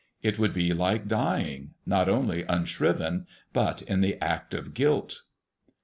It would be like dying, not only unshriven, but in the act of guilt.